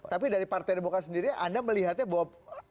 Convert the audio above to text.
tapi dari partai demokrat sendiri anda melihatnya bahwa